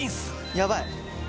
やばい。